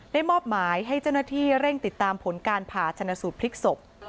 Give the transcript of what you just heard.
มอบหมายให้เจ้าหน้าที่เร่งติดตามผลการผ่าชนะสูตรพลิกศพ